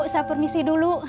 saya permisi dulu